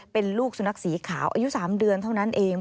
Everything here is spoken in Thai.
เป็นลูกสุนัขสีขาวอายุ๓เดือนเท่านั้นเอง